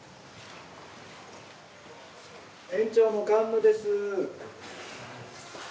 園長の菅野です。